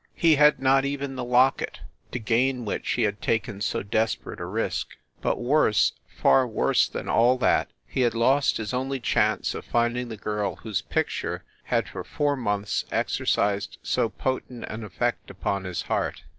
He had not even the locket to gain which he had taken so desperate a risk. But worse, far worse than all that, he had lost his only chance of finding the girl whose picture had for four months exercised so potent an effect upon his heart.